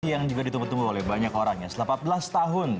yang juga ditunggu tunggu oleh banyak orang ya selama empat belas tahun